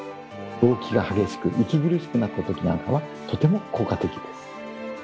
動悸が激しく息苦しくなったときなんかはとても効果的です。